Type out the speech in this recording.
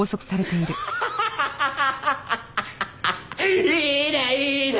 いいねいいね！